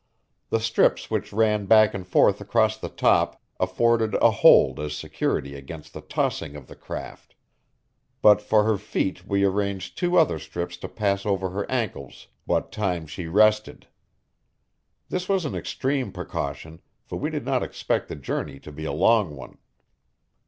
The strips which ran back and forth across the top afforded a hold as security against the tossing of the craft; but for her feet we arranged two other strips to pass over her ankles what time she rested. This was an extreme precaution, for we did not expect the journey to be a long one.